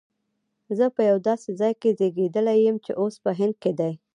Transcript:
زه په یو داسي ځای کي زیږېدلی یم چي اوس په هند کي دی